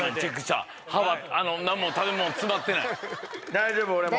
大丈夫俺も。